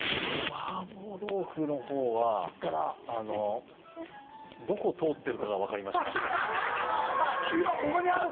マーボ豆腐のほうは、どこを通ってるかが分かりました。